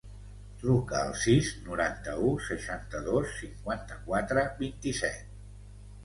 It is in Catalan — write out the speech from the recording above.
Truca al sis, noranta-u, seixanta-dos, cinquanta-quatre, vint-i-set.